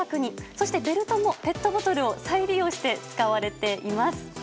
そしてベルトもペットボトルを再利用して使われています。